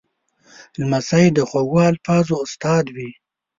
لمسی د خوږو الفاظو استاد وي.